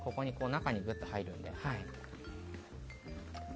中にぐっと入るので。